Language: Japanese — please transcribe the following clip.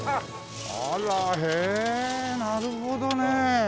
あらへえなるほどね。